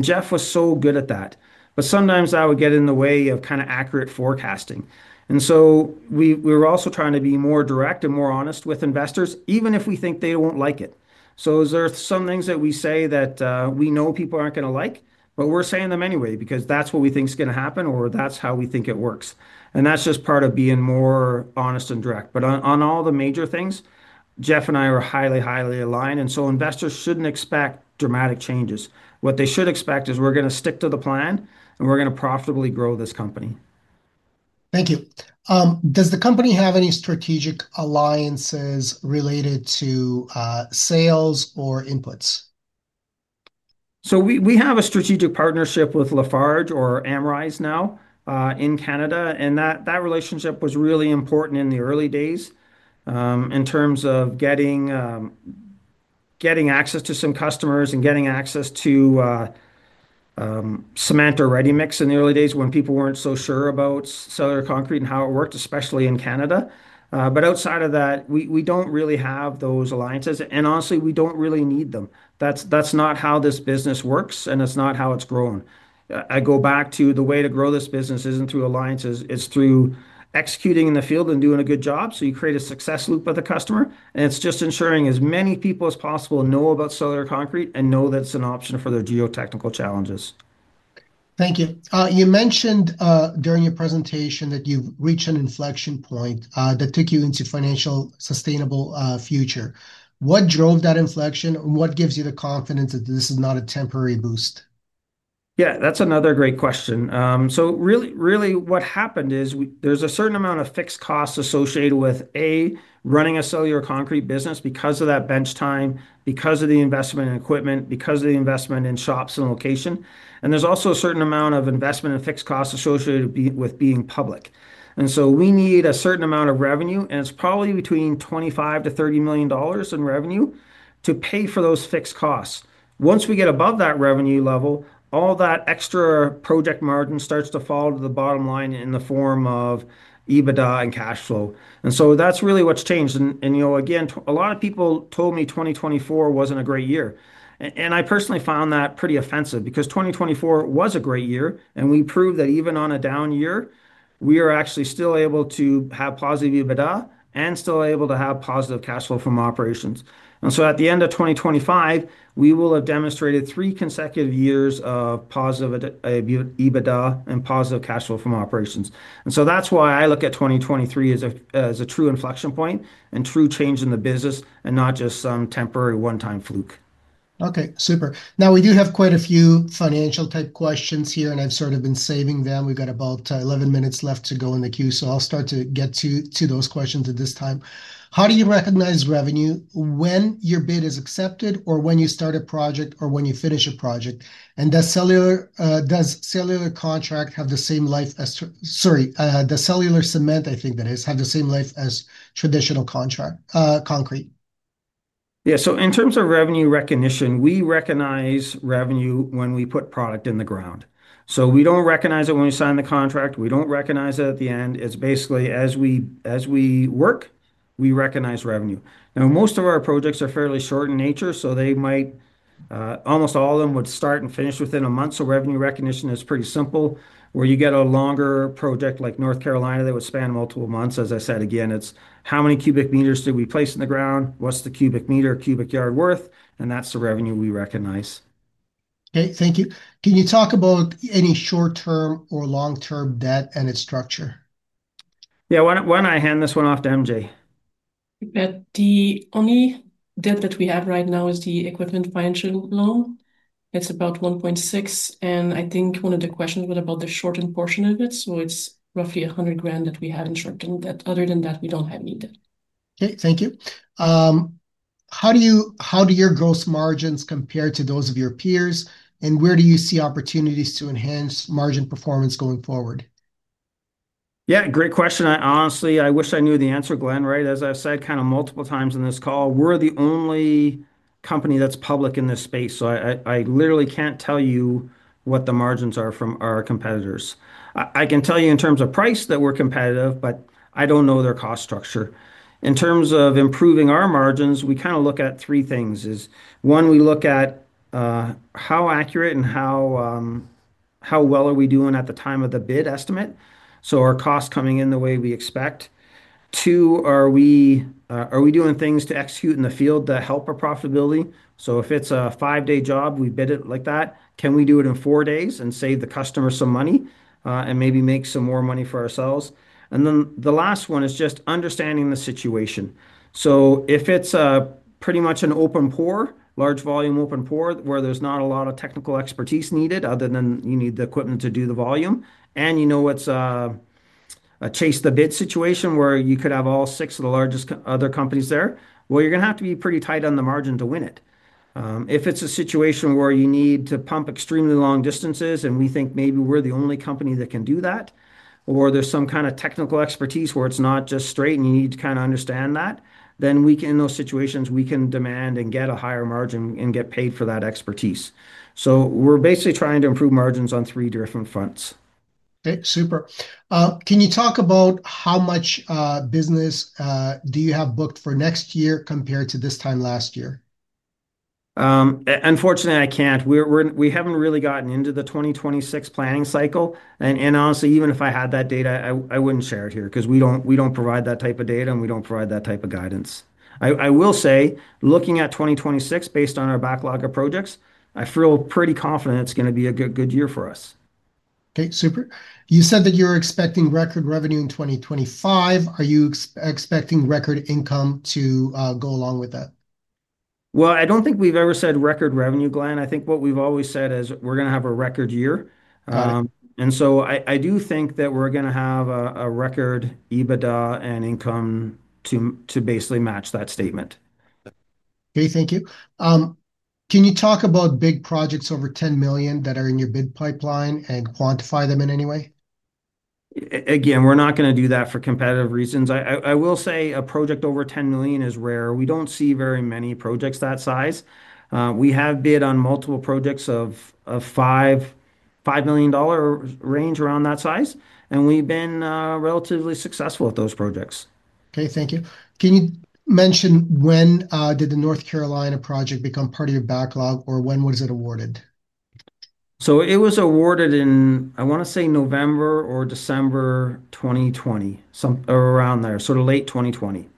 Jeff was so good at that. Sometimes that would get in the way of kind of accurate forecasting. We're also trying to be more direct and more honest with investors, even if we think they won't like it. There are some things that we say that we know people aren't going to like, but we're saying them anyway because that's what we think is going to happen or that's how we think it works. That's just part of being more honest and direct. On all the major things, Jeff and I are highly, highly aligned. Investors shouldn't expect dramatic changes. What they should expect is we're going to stick to the plan and we're going to profitably grow this company. Thank you. Does the company have any strategic alliances related to sales or inputs? We have a strategic partnership with Amrise now in Canada. That relationship was really important in the early days in terms of getting access to some customers and getting access to cement or ready mix in the early days when people weren't so sure about cellular concrete and how it worked, especially in Canada. Outside of that, we don't really have those alliances, and honestly, we don't really need them. That's not how this business works, and it's not how it's grown. I go back to the way to grow this business isn't through alliances. It's through executing in the field and doing a good job, so you create a success loop with the customer. It's just ensuring as many people as possible know about cellular concrete and know that it's an option for their geotechnical challenges. Thank you. You mentioned during your presentation that you've reached an inflection point that took you into a financially sustainable future. What drove that inflection? What gives you the confidence that this is not a temporary boost? Yeah, that's another great question. Really, what happened is there's a certain amount of fixed costs associated with, A, running a cellular concrete business because of that bench time, because of the investment in equipment, because of the investment in shops and location. There's also a certain amount of investment in fixed costs associated with being public. We need a certain amount of revenue, and it's probably between $25 million-$30 million in revenue to pay for those fixed costs. Once we get above that revenue level, all that extra project margin starts to fall to the bottom line in the form of EBITDA and cash flow. That's really what's changed. A lot of people told me 2024 wasn't a great year. I personally found that pretty offensive because 2024 was a great year, and we proved that even on a down year, we are actually still able to have positive EBITDA and still able to have positive cash flow from operations. At the end of 2025, we will have demonstrated three consecutive years of positive EBITDA and positive cash flow from operations. That's why I look at 2023 as a true inflection point and true change in the business and not just some temporary one-time fluke. Okay, super. Now we do have quite a few financial type questions here, and I've sort of been saving them. We've got about 11 minutes left to go in the queue, so I'll start to get to those questions at this time. How do you recognize revenue when your bid is accepted, or when you start a project, or when you finish a project? Does cellular concrete have the same life as, sorry, does cellular concrete have the same life as traditional concrete? Yeah, so in terms of revenue recognition, we recognize revenue when we put product in the ground. We don't recognize it when we sign the contract. We don't recognize it at the end. It's basically as we work, we recognize revenue. Most of our projects are fairly short in nature, so they might, almost all of them would start and finish within a month. Revenue recognition is pretty simple. Where you get a longer project like North Carolina, they would span multiple months. As I said, again, it's how many cubic meters did we place in the ground? What's the cubic meter or cubic yard worth? That's the revenue we recognize. Okay, thank you. Can you talk about any short-term or long-term debt and its structure? Yeah, why don't I hand this one off to Marie-Josée? The only debt that we have right now is the equipment financial loan. It's about $1.6 million, and I think one of the questions was about the short-term portion of it. It's roughly $100,000 that we have in short-term debt. Other than that, we don't have any debt. Okay, thank you. How do your gross margins compare to those of your peers, and where do you see opportunities to enhance margin performance going forward? Yeah, great question. I honestly wish I knew the answer, Glenn, right? As I've said kind of multiple times in this call, we're the only company that's public in this space. I literally can't tell you what the margins are from our competitors. I can tell you in terms of price that we're competitive, but I don't know their cost structure. In terms of improving our margins, we kind of look at three things. One, we look at how accurate and how well are we doing at the time of the bid estimate. Are costs coming in the way we expect? Two, are we doing things to execute in the field to help our profitability? If it's a five-day job, we bid it like that. Can we do it in four days and save the customer some money and maybe make some more money for ourselves? The last one is just understanding the situation. If it's pretty much an open pour, large volume open pour where there's not a lot of technical expertise needed other than you need the equipment to do the volume, and you know it's a chase-the-bid situation where you could have all six of the largest other companies there, you're going to have to be pretty tight on the margin to win it. If it's a situation where you need to pump extremely long distances and we think maybe we're the only company that can do that, or there's some kind of technical expertise where it's not just straight and you need to kind of understand that, then in those situations, we can demand and get a higher margin and get paid for that expertise. We're basically trying to improve margins on three different fronts. Okay, super. Can you talk about how much business do you have booked for next year compared to this time last year? Unfortunately, I can't. We haven't really gotten into the 2026 planning cycle, and honestly, even if I had that data, I wouldn't share it here because we don't provide that type of data and we don't provide that type of guidance. I will say, looking at 2026 based on our backlog of projects, I feel pretty confident it's going to be a good year for us. Okay, super. You said that you're expecting record revenue in 2025. Are you expecting record income to go along with that? I don't think we've ever said record revenue, Glenn. I think what we've always said is we're going to have a record year. I do think that we're going to have a record EBITDA and income to basically match that statement. Okay, thank you. Can you talk about big projects over $10 million that are in your bid pipeline and quantify them in any way? Again, we're not going to do that for competitive reasons. I will say a project over $10 million is rare. We don't see very many projects that size. We have bid on multiple projects in the $5 million range, around that size, and we've been relatively successful at those projects. Okay, thank you. Can you mention when did the North Carolina project become part of your backlog or when was it awarded? It was awarded in, I want to say, November or December 2020, something around there, sort of late 2020.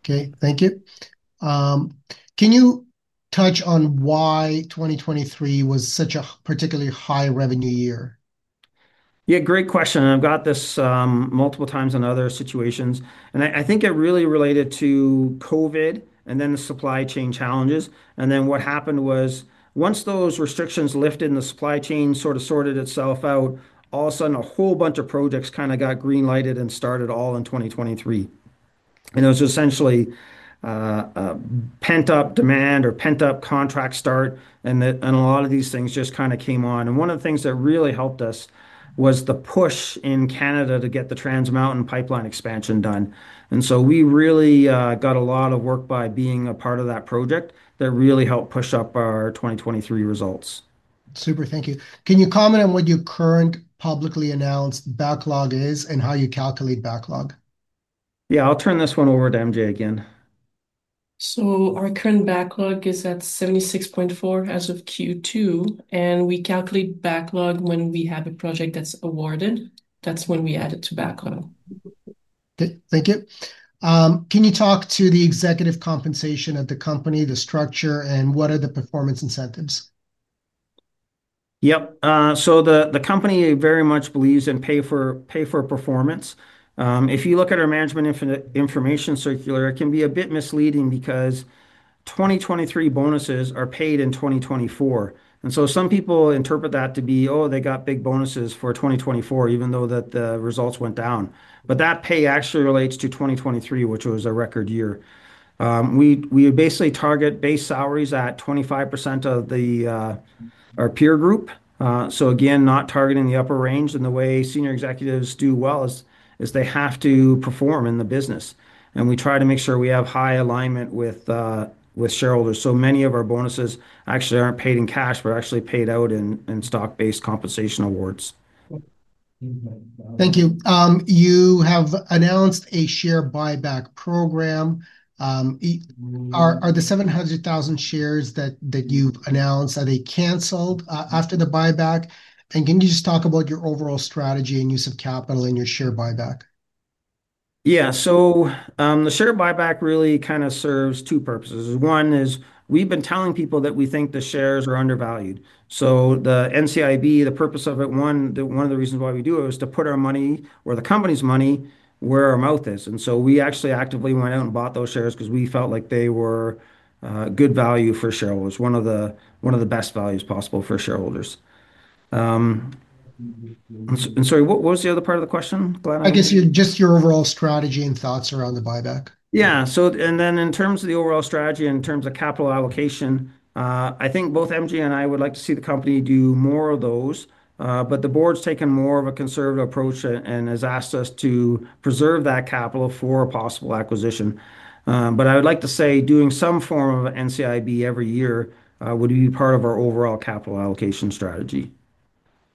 Okay, thank you. Can you touch on why 2023 was such a particularly high revenue year? Yeah, great question. I've got this multiple times in other situations, and I think I really relate it to COVID and then the supply chain challenges. What happened was once those restrictions lifted and the supply chain sort of sorted itself out, all of a sudden a whole bunch of projects kind of got greenlighted and started all in 2023. It was essentially pent-up demand or pent-up contract start, and a lot of these things just kind of came on. One of the things that really helped us was the push in Canada to get the Trans Mountain pipeline expansion done. We really got a lot of work by being a part of that project that really helped push up our 2023 results. Super, thank you. Can you comment on what your current publicly announced backlog is and how you calculate backlog? Yeah, I'll turn this one over to MJ again. Our current backlog is at $76.4 million as of Q2, and we calculate backlog when we have a project that's awarded. That's when we add it to backlog. Okay, thank you. Can you talk to the executive compensation of the company, the structure, and what are the performance incentives? Yep. The company very much believes in pay for performance. If you look at our management information circular, it can be a bit misleading because 2023 bonuses are paid in 2024. Some people interpret that to be, oh, they got big bonuses for 2024, even though the results went down. That pay actually relates to 2023, which was a record year. We basically target base salaries at 25% of our peer group, not targeting the upper range, and the way senior executives do well is they have to perform in the business. We try to make sure we have high alignment with shareholders. Many of our bonuses actually aren't paid in cash, but are actually paid out in stock-based compensation awards. Thank you. You have announced a share buyback program. Are the 700,000 shares that you've announced, are they canceled after the buyback? Can you just talk about your overall strategy and use of capital in your share buyback? Yeah, the share buyback really kind of serves two purposes. One is we've been telling people that we think the shares are undervalued. The normal course issuer bid, the purpose of it, one of the reasons why we do it is to put our money or the company's money where our mouth is. We actually actively went out and bought those shares because we felt like they were good value for shareholders, one of the best values possible for shareholders. Sorry, what was the other part of the question, Glenn? I guess just your overall strategy and thoughts around the share buyback. Yeah, so in terms of the overall strategy and in terms of capital allocation, I think both MJ and I would like to see the company do more of those, but the board's taken more of a conservative approach and has asked us to preserve that capital for a possible acquisition. I would like to say doing some form of NCIB every year would be part of our overall capital allocation strategy.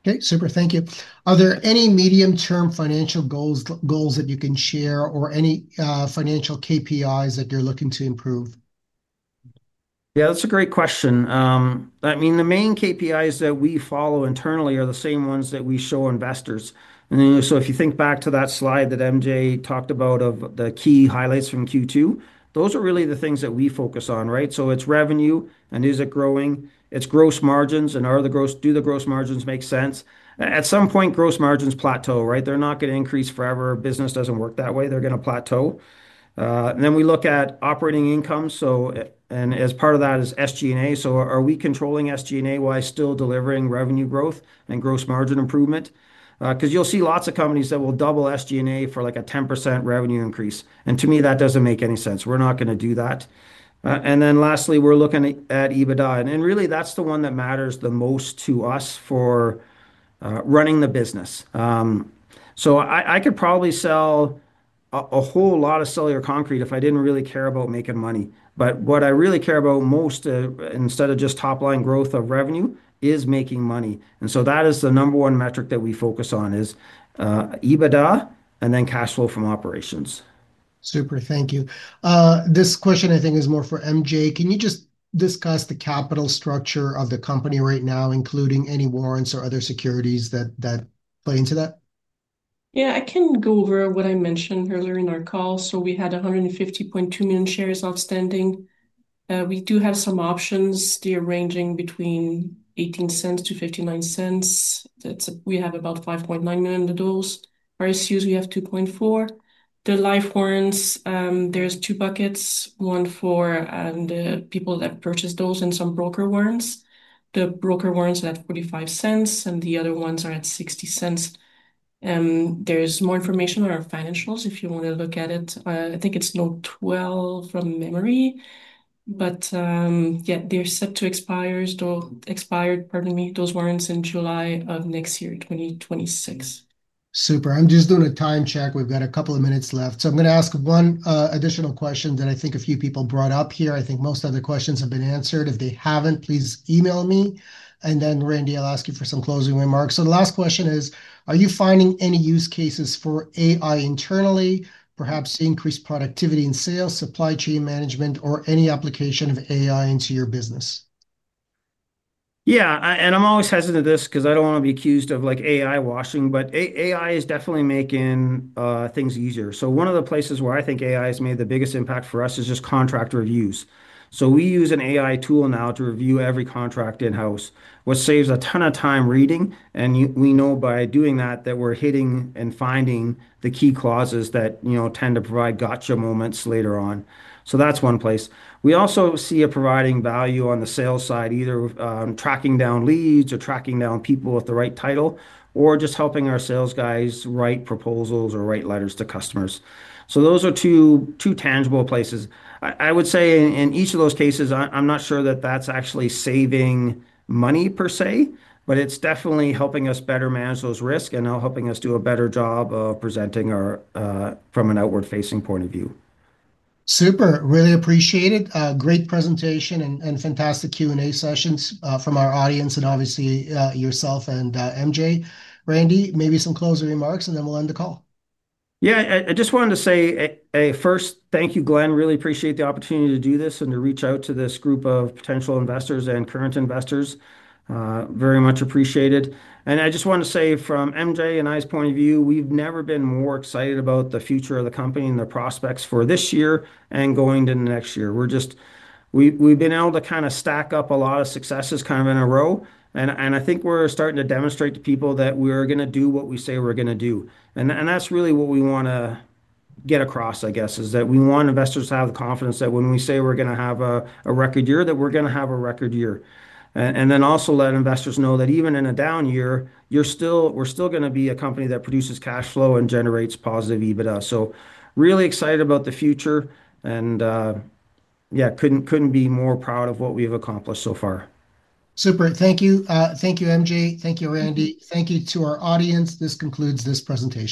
Okay, super. Thank you. Are there any medium-term financial goals that you can share or any financial KPIs that you're looking to improve? Yeah, that's a great question. I mean, the main KPIs that we follow internally are the same ones that we show investors. If you think back to that slide that Marie-Josée Cantin talked about of the key highlights from Q2, those are really the things that we focus on, right? It's revenue and is it growing? It's gross margins and do the gross margins make sense? At some point, gross margins plateau, right? They're not going to increase forever. Business doesn't work that way. They're going to plateau. We look at operating incomes, and as part of that is SG&A. Are we controlling SG&A while still delivering revenue growth and gross margin improvement? You'll see lots of companies that will double SG&A for like a 10% revenue increase. To me, that doesn't make any sense. We're not going to do that. Lastly, we're looking at EBITDA. Really, that's the one that matters the most to us for running the business. I could probably sell a whole lot of cellular concrete if I didn't really care about making money. What I really care about most, instead of just top line growth of revenue, is making money. That is the number one metric that we focus on, EBITDA and then cash flow from operations. Super. Thank you. This question, I think, is more for MJ. Can you just discuss the capital structure of the company right now, including any warrants or other securities that play into that? Yeah, I can go over what I mentioned earlier in our call. We had 150.2 million shares outstanding. We do have some options ranging between $0.18-$0.59. We have about 5.9 million of those. RSUs, we have 2.4. The life warrants, there's two buckets, one for the people that purchase those and some broker warrants. The broker warrants are at $0.45, and the other ones are at $0.60. There's more information on our financials if you want to look at it. I think it's note 12 from memory, but yeah, they're set to expire, pardon me, those warrants in July of next year, 2026. Super. I'm just doing a time check. We've got a couple of minutes left. I'm going to ask one additional question that I think a few people brought up here. I think most of the questions have been answered. If they haven't, please email me. Randy, I'll ask you for some closing remarks. The last question is, are you finding any use cases for AI internally, perhaps increased productivity in sales, supply chain management, or any application of AI into your business? Yeah, I'm always hesitant to do this because I don't want to be accused of AI washing, but AI is definitely making things easier. One of the places where I think AI has made the biggest impact for us is just contractor reviews. We use an AI tool now to review every contract in-house, which saves a ton of time reading. We know by doing that that we're hitting and finding the key clauses that tend to provide gotcha moments later on. That's one place. We also see it providing value on the sales side, either tracking down leads or tracking down people with the right title, or just helping our sales guys write proposals or write letters to customers. Those are two tangible places. I would say in each of those cases, I'm not sure that that's actually saving money per se, but it's definitely helping us better manage those risks and helping us do a better job of presenting from an outward-facing point of view. Super. Really appreciate it. Great presentation and fantastic Q&A sessions from our audience and obviously yourself and MJ. Randy, maybe some closing remarks, and then we'll end the call. Yeah, I just wanted to say first thank you, Glenn. Really appreciate the opportunity to do this and to reach out to this group of potential investors and current investors. Very much appreciated. I just wanted to say from MJ and I's point of view, we've never been more excited about the future of the company and the prospects for this year and going to the next year. We've been able to kind of stack up a lot of successes in a row, and I think we're starting to demonstrate to people that we're going to do what we say we're going to do. That's really what we want to get across, I guess, is that we want investors to have the confidence that when we say we're going to have a record year, that we're going to have a record year. Also, let investors know that even in a down year, we're still going to be a company that produces cash flow and generates positive EBITDA. Really excited about the future, and yeah, couldn't be more proud of what we've accomplished so far. Super. Thank you. Thank you, Marie-Josée Cantin. Thank you, Randy Boomhour. Thank you to our audience. This concludes this presentation.